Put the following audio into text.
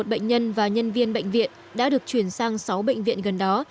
một trăm một mươi một bệnh nhân và nhân viên bệnh viện đã được chuyển sang sáu bệnh viện gần đó